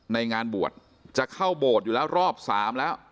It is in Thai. ในงานบวชจะเข้าโบสถ์อยู่แล้วรอบ๓แล้ว